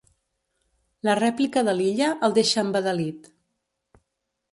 La rèplica de l'Illa el deixa embadalit.